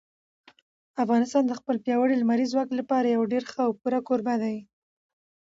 افغانستان د خپل پیاوړي لمریز ځواک لپاره یو ډېر ښه او پوره کوربه دی.